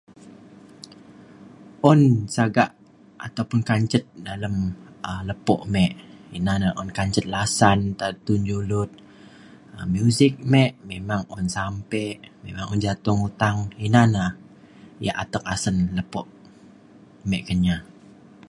un sagak ataupun kancet dalem um lepo me ina na un kancet lasan datun julud um muzik me memang un sampe memang un jatung utang ina na ia' atek asen lepo me Kenyah